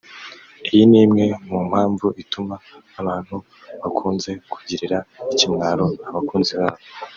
iyi nimwe mu mpamvu ituma abantu bakunze kugirira ikimwaro abakunzi babo